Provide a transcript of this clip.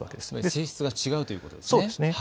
性質が違うというわけですね。